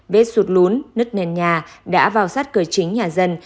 vết sụt lún nứt nền nhà đã vào sát cửa chính nhà dân